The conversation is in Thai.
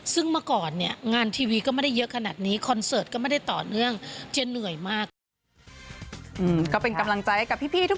ซึ่งเมื่อก่อนเนี่ยงานทีวีก็ไม่ได้เยอะขนาดนี้คอนเสิร์ตก็ไม่ได้ต่อเนื่องเจียเหนื่อยมาก